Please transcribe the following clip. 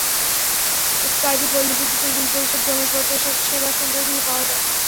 Skype, পল্লী বিদ্যুতের বিল পরিশোধ, জমির পর্চা—এসব সেবা সেন্টার থেকে পাওয়া যায়।